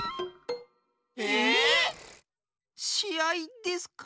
しあいですか？